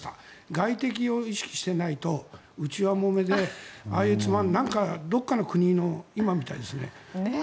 外敵を意識していないと内輪もめでああいうつまらないどこかの国の今みたいですね。